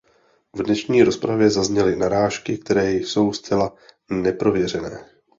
V dnešní rozpravě zazněly narážky, které jsou zcela neprověřené.